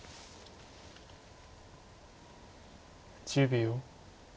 １０秒。